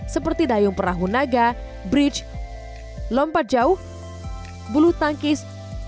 seperti dayung perahu naga bridge lompat jauh bulu tangkis